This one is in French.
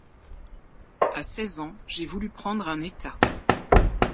À seize ans, j’ai voulu prendre un état.